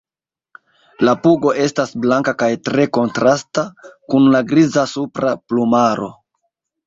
La pugo estas blanka kaj tre kontrasta kun la griza supra plumaro.